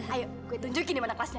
ayo gue tunjukin dimana kelasnya